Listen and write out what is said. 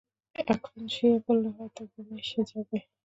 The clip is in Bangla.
এখন শুয়ে পড়লে হয়তো ঘুম এসে যাবে।